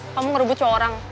kamu ngerebut cowok orang